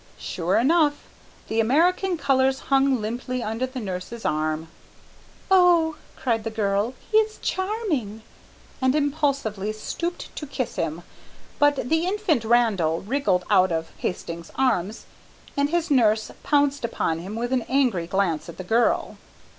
Sure enough, the American colours hung limply under the nurse's arm. "Oh," cried the girl, "he is charming," and impulsively stooped to kiss him, but the infant Randall wriggled out of Hastings' arms, and his nurse pounced upon him with an angry glance at the girl.